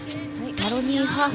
マロニーハーフ。